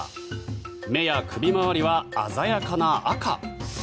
目や首回りは鮮やかな赤。